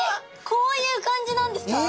こういう感じなんですか？